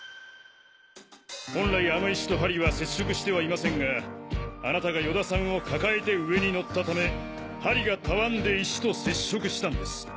本来あの石と針は接触してはいませんがあなたが与田さんを抱えて上に乗ったため針がたわんで石と接触したんです。